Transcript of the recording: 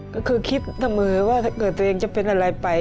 ก็คือคิดเสมอว่าถ้าเกิดตัวเองจะเป็นอะไรไป